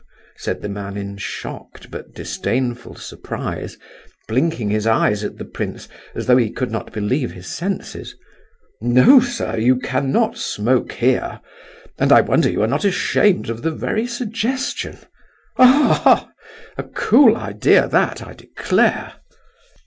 _" said the man, in shocked but disdainful surprise, blinking his eyes at the prince as though he could not believe his senses. "No, sir, you cannot smoke here, and I wonder you are not ashamed of the very suggestion. Ha, ha! a cool idea that, I declare!"